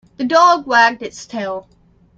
The dog was wagged its tail.